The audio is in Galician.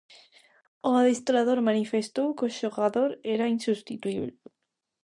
O adestrador manifestou que o xogador era insubstituíbel.